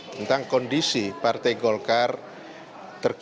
tentang kondisi partai golkar